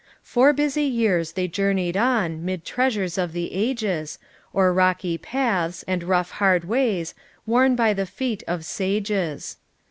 'Four busy yeans they journeyed on 'Mid treasures of the ages, O'er rocky paths, and rough hard ways, Worn by the feet of sages.